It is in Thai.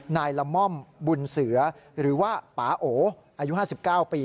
นายละม่อมบุญเสือหรือว่าปาโออายุ๕๙ปี